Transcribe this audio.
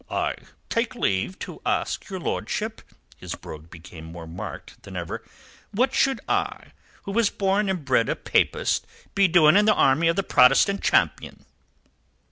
I take leave to ask your lordship" (his brogue became more marked than ever) "what should I, who was born and bred a papist, be doing in the army of the Protestant Champion?"